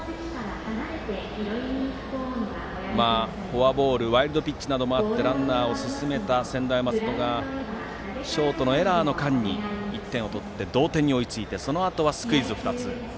フォアボールワイルドピッチなどもあってランナーを進めた専大松戸がショートのエラーの間に１点を取って同点に追いついてそのあとはスクイズ２つ。